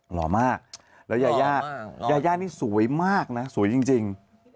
หล่อมากแล้วยายายานี่สวยมากนะสวยจริง